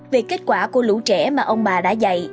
về kết quả của lũ trẻ mà ông bà đã dạy